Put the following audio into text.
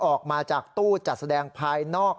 ออกมาจากตู้จัดแสดงภายนอก